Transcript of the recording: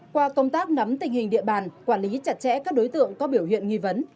qua công tác nắm tình hình địa bàn quản lý chặt chẽ các đối tượng có biểu hiện nghi vấn